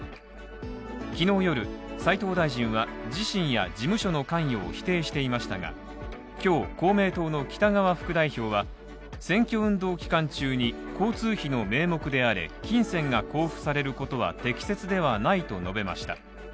きのう夜、斎藤大臣は、自身や事務所の関与を否定していましたが、今日公明党の北側副代表は選挙運動期間中に交通費の名目であれ金銭が交付されることは適切ではないと述べました。